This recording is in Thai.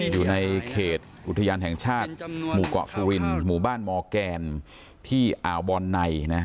อยู่ในเขตอุทยานแห่งชาติหมู่เกาะสุรินหมู่บ้านมแกนที่อ่าวบอลใน